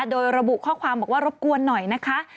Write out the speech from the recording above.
โดยระบุข้อความบอกว่ารบกวนหน่อยนะคะ